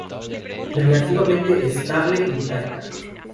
Relativamente estable, intacta.